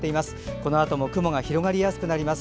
このあとも雲が広がりやすくなります。